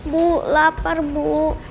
bu lapar bu